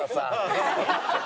ハハハハ！